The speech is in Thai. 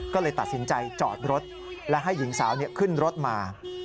ก็เลยตัดสินใจจอดรถและให้หญิงสาวขึ้นรถมา